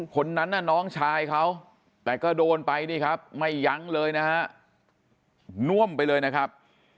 คนนั้นน่ะน้องชายเขาแต่ก็โดนไปนี่ครับไม่ยั้งเลยนะฮะน่วมไปเลยนะครับ